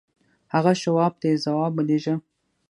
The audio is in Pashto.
هغه شواب ته يې ځواب ولېږه.